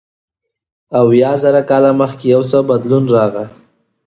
اویا زره کاله مخکې یو څه بدلون راغی.